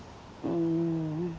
うん。